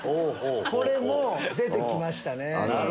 これも出て来ましたね。